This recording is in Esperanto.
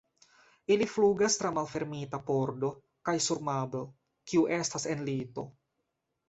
Ili flugas tra malfermita pordo kaj sur Mabel, kiu estas en lito.